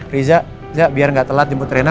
riza biar nggak telat jemput rena